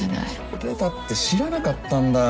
俺だって知らなかったんだよ。